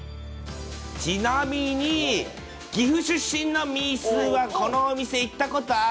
ちなみに、岐阜出身のみーすーは、このお店、行ったことある？